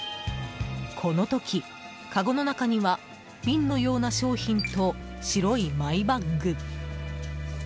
この時、かごの中には瓶のような商品と白いマイバッグ。